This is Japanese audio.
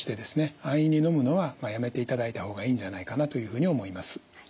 安易にのむのはやめていただいた方がいいんじゃないかなというふうに思います。